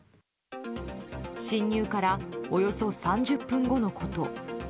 侵入からおよそ３０分後のこと。